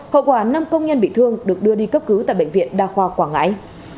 hậu quả năm công nhân bị thương được đưa đi cấp cứu tại bệnh viện đa khoa quảng ngãi